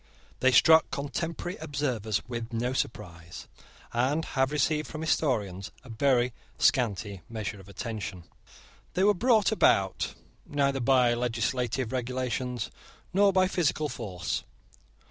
They struck contemporary observers with no surprise, and have received from historians a very scanty measure of attention. They were brought about neither by legislative regulations nor by physical force.